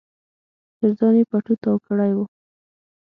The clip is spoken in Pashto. تر ځان يې پټو تاو کړی و.